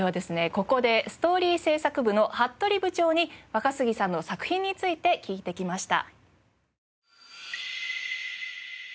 ここでストーリー制作部の服部部長に若杉さんの作品について聞いてきました。